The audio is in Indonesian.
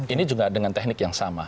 ini juga dengan teknik yang sama